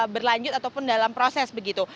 berlanjut ataupun dalam proses begitu